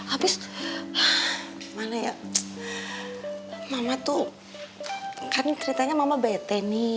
habis mana ya mama tuh kan ceritanya mama bete nih